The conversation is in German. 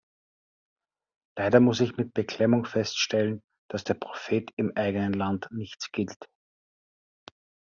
Leider muss ich mit Beklemmung feststellen, dass der Prophet im eigenen Land nichts gilt.